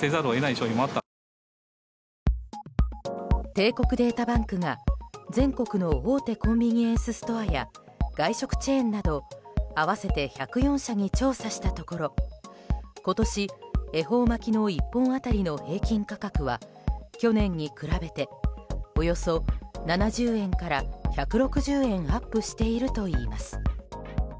帝国データバンクが全国の大手コンビニエンスストアや外食チェーンなど合わせて１０４社に調査したところ今年、恵方巻きの１本当たりの平均価格は去年に比べておよそ７０円から１６０円アップしているといいます。